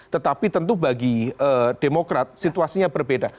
tetapi tentu bagi demokrat situasinya berbeda